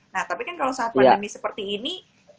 nah tapi kan kalau saat pandemi seperti ini